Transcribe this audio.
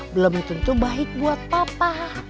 belum tentu baik buat papa